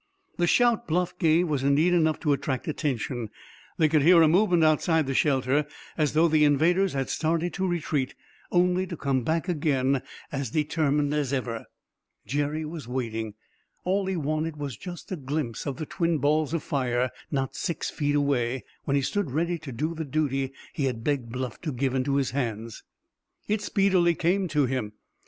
The shout Bluff gave was indeed enough to attract attention. They could hear a movement outside the shelter, as though the invaders had started to retreat, only to come back again, as determined as ever. Jerry was waiting. All he wanted was just a glimpse of the twin balls of fire not six feet away, when he stood ready to do the duty he had begged Bluff to give into his hands. It speedily came to him.